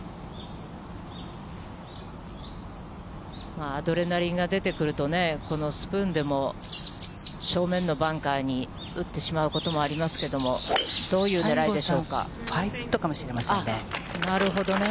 まあ、アドレナリンが出てくるとね、このスプーンでも、正面のバンカーに打ってしまうこともありますけれども、どういう西郷さんは、あ、なるほどね。